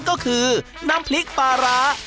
ก็คือเป็นปริกปราหรา